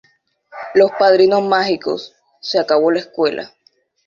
Los padrinos mágicos: ¡Se acabó la escuela!